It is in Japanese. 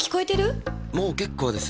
もう結構です。